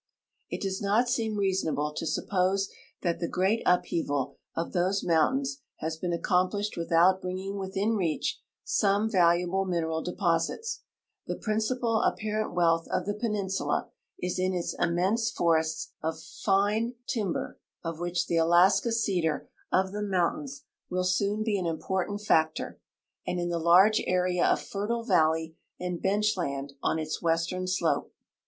It does not seem reasonable to suppose that the great upheaval of these mountains has been aecom])lislie(l Avithout bringing Avithin reach some valuable mineral de])osits. The i>rineipal ai)i>arent wealth of the p('uinsula is in its immense foicsts of line 140 THE DISCOVERY OF GLACIER BAY, ALASKA timber, of which the Alaska cedar of the mountains will soon be an important factor, and in the large area of fertile valley and benchland on its western slope.